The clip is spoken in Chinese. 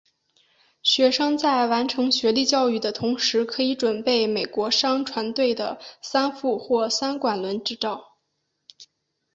学生在完成学历教育的同时可以准备美国商船队的三副或三管轮执照。